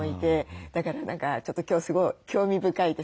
だから何かちょっと今日すごい興味深いです。